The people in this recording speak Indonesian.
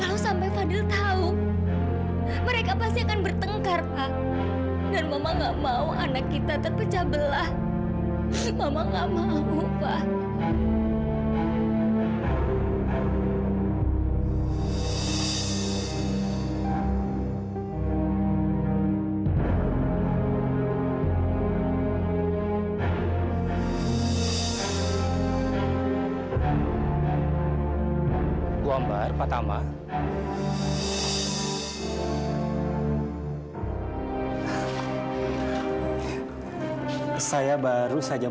asli metadata kamu ini memahami apa apa wajahmu itu